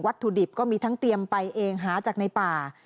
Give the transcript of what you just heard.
ถุดิบก็มีทั้งเตรียมไปเองหาจากในป่า